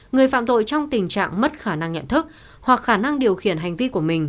người phạm tội trong tình trạng mất khả năng nhận thức hoặc khả năng điều khiển hành vi của mình